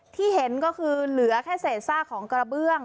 ที่เห็นก็คือเหลือแค่เศษซากของกระเบื้อง